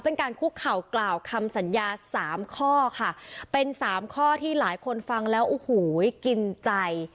เป็นการคุกเข่ากล่าวคำสัญญาสามข้อค่ะเป็นสามข้อที่หลายคนฟังแล้วโอ้โหกินใจ